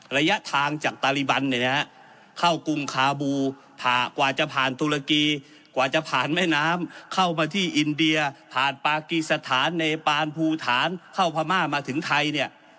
ระยะทางจากตาริบันเนี่ยนะฮะเข้ากรุงคาบูกว่าจะผ่านตุรกีกว่าจะผ่านแม่น้ำเข้ามาที่อินเดียผ่านปากีสถานเนปานภูฐานเข้าพม่ามาถึงไทยเนี่ย